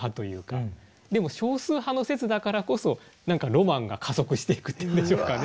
でも少数派の説だからこそ何かロマンが加速していくっていうんでしょうかね。